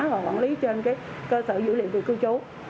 và quản lý trên cái cơ sở dữ liệu về cư trú